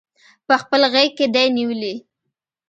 پخپل غیږ کې دی نیولي